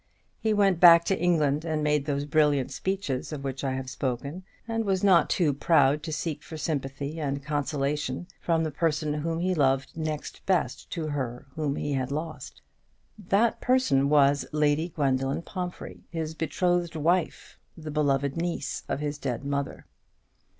He went back to England, and made those brilliant speeches of which I have spoken; and was not too proud to seek for sympathy and consolation from the person whom he loved next best to her whom he had lost, that person was Lady Gwendoline Pomphrey, his betrothed wife, the beloved niece of his dead mother.